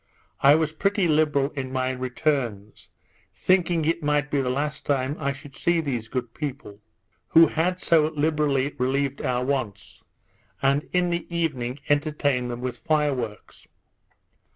I was pretty liberal in my returns, thinking it might be the last time I should see these good people, who had so liberally relieved our wants; and in the evening entertained them with fire works.